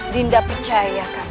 dinda percaya kanda